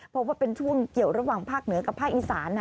เพราะว่าเป็นช่วงเกี่ยวระหว่างภาคเหนือกับภาคอีสาน